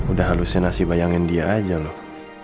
udah halusinasi bayangin dia aja loh